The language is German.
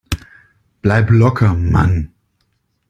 Bleib locker, Mann!